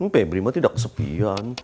febri mah tidak kesepian